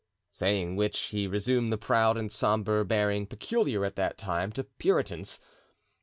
Saying which, he resumed the proud and sombre bearing peculiar at that time to Puritans.